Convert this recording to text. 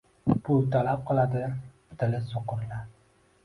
Pul talab qiladi dili soʻqirlar